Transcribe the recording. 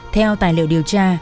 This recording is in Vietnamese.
theo tài liệu điều tra